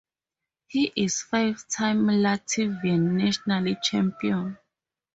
He is five-time Latvian national champion.